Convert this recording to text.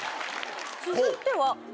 続いては。